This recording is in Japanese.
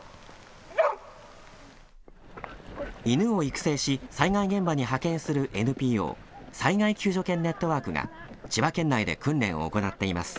犬を育成し災害現場に派遣するＮＰＯ、災害救助犬ネットワークが千葉県内で訓練を行っています。